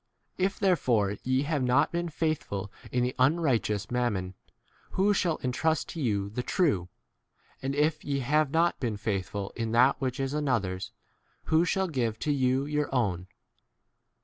If therefore ye have not been faithful in the unrighteous mammon, who shall 12 entrust to you the true ? and if ye have not been faithful in that which is another's, who shall give 13 to you your own